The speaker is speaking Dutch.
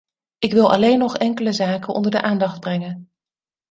Ik wil alleen nog enkele zaken onder de aandacht brengen.